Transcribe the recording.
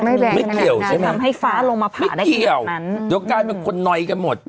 ไม่แรงขนาดนั้นทำให้ฟ้าลงมาผ่าได้ไม่เกี่ยวยกการเป็นคนนอยกันหมด